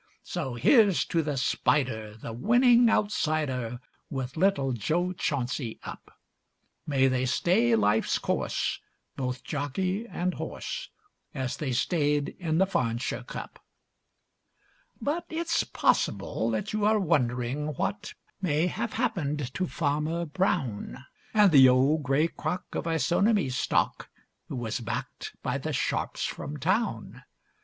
So here's to the Spider, the winning outsider, With little Jo Chauncy up; May they stay life's course, both jockey and horse, As they stayed in the Farnshire Cup. But it's possible that you are wondering what May have happened to Farmer Brown, And the old gray crock of Isonomy stock Who was backed by the sharps from town.